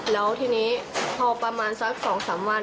แล้วทีนี้พอประมาณสัก๒๓วัน